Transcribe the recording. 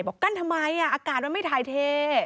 กั้นทำไมอากาศมันไม่ถ่ายเท